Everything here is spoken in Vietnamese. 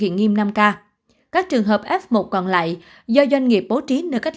hiện nghiêm năm k các trường hợp f một còn lại do doanh nghiệp bố trí nơi cách